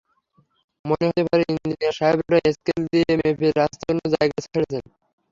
মনে হতে পারে ইঞ্জিনিয়ার সাহেবরা স্কেল দিয়ে মেপে রাস্তার জন্য জায়গা ছেড়েছেন।